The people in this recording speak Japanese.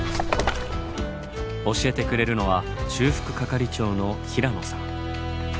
教えてくれるのは修復係長の平野さん。